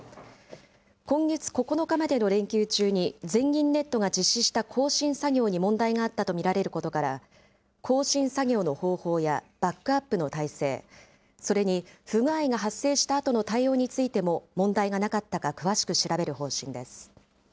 今月９日までの連休中に、全銀ネットが実施した更新作業に問題があったと見られることから、更新作業の方法やバックアップの態勢、それに、不具合が発生したあとの対応についても、問題がなかったか詳しく調べる方針です。